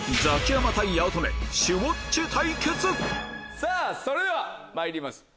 さぁそれではまいります。